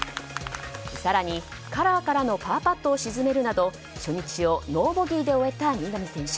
更にカラーからのパーパットを沈めるなど初日をノーボギーで終えた稲見選手。